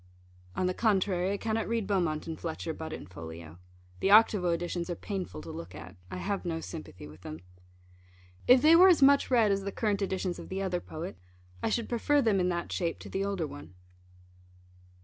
On the contrary, I cannot read Beaumont and Fletcher but in Folio. The Octavo editions are painful to look at. I have no sympathy with them. If they were as much read as the current editions of the other poet, I should prefer them in that shape to the older one.